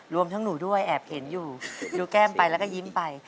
รวมทั้งหนูด้วยแอบเห็นอยู่ดูแก้มไปแล้วก็ยิ้มไป